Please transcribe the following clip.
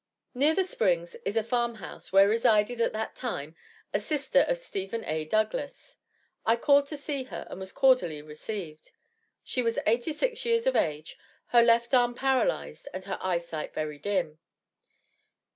Near the Springs is a farm house where resided, at that time, a sister of Stephen A. Douglas. I called to see her, and was cordially received. She was 86 years of age, her left arm paralyzed, and her eyesight very dim.